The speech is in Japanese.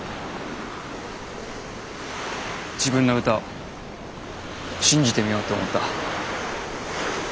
自分の歌信じてみようと思った。